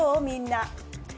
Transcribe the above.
みんな。